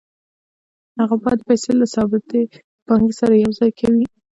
هغه پاتې پیسې له ثابتې پانګې سره یوځای کوي